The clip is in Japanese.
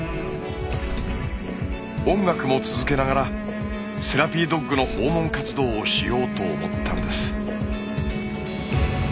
音楽も続けながらセラピードッグの訪問活動をしようと思ったんです。